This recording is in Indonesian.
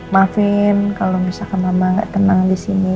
maafin kalau misalkan mama nggak tenang di sini